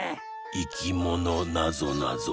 「いきものなぞなぞ」